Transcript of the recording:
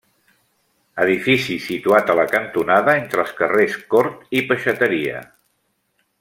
Edifici situat a la cantonada entre els carrers Cort i Peixateria.